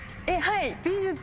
はい。